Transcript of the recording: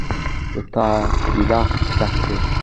د تا ګلاس ډک ده